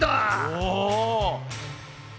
お！